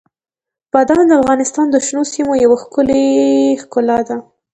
بادام د افغانستان د شنو سیمو یوه ښکلې ښکلا ده.